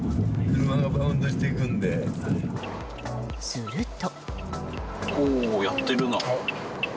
すると。